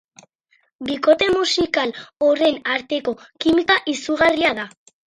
Bikote musikal horren arteko kimika izugarria da.